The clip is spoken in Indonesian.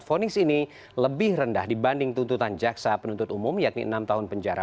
fonis ini lebih rendah dibanding tuntutan jaksa penuntut umum yakni enam tahun penjara